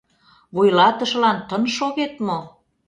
Вуйлатышылан тын шогет мо?